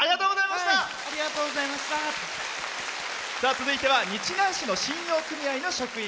続いては日南市の信用組合の職員。